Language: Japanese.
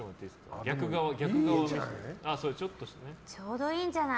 でも、ちょうどいいんじゃない？